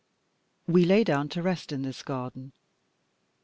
We lay down to rest in this garden.